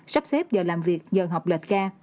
sắp xếp giờ làm việc giờ học lệch ca